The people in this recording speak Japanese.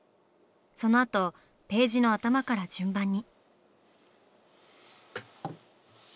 そのあとページの頭から順番に。